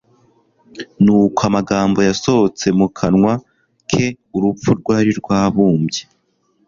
nuko amagambo yasohotse mu kanwa ke urupfu rwari rwabumbye,